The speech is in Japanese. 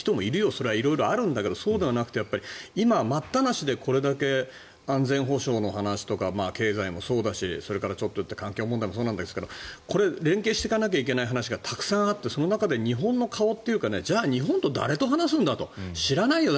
それは色々あるんだけどそうではなくて今、待ったなしでこれだけ安全保障の話とか経済もそうだしそれからちょっと言って環境問題もそうなんですけどこれ、連携していかなきゃいけない話がたくさんあってその中で日本の顔というかじゃあ日本の誰と話すんだと知らないよ